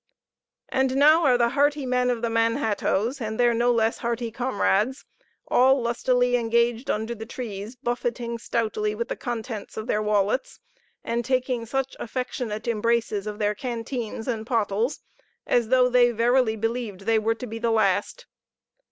And now are the hearty men of the Manhattoes, and their no less hearty comrades, all lustily engaged under the trees, buffeting stoutly with the contents of their wallets, and taking such affectionate embraces of their canteens and pottles as though they verily believed they were to be the last.